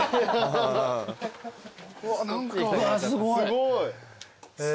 うわ何かすごい。